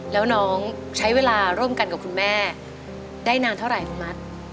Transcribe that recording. แล้วน้องใช้เวลาร่วมกันกับคุณแม่ได้นานเท่าไหร่คุณมัด